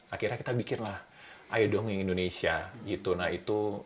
akhirnya kita bikinlah ayo dongeng indonesia gitu nah itu dua ribu sebelas